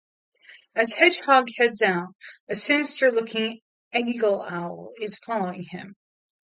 As Hedgehog heads out, a sinister looking eagle-owl is following him.